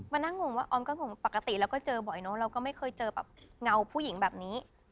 มานั่งงงว่าออมก็งงปกติเราก็เจอบ่อยเนอะเราก็ไม่เคยเจอแบบเงาผู้หญิงแบบนี้